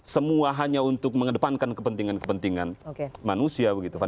semua hanya untuk mengedepankan kepentingan kepentingan manusia